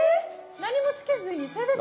何もつけずにそれだけ？